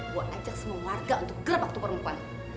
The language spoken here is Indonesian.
gua ajak semua warga untuk gerbak tukar muka